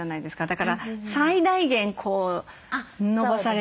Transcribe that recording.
だから最大限伸ばされる感じ。